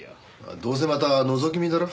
どうせまたのぞき見だろ？